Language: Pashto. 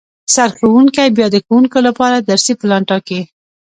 سرښوونکی بیا د ښوونکو لپاره درسي پلان ټاکي